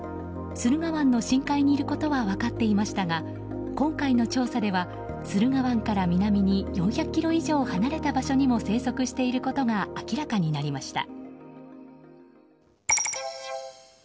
駿河湾の深海にいることは分かっていましたが今回の調査では、駿河湾から南に４００ｋｍ以上離れた場所にも生息していることが明らかになりました。